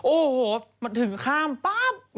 โอ้โหมันถึงข้ามปั๊บ